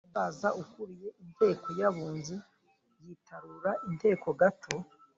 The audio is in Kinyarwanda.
wa musaza ukuriye inteko y’abunzi yitarura inteko gato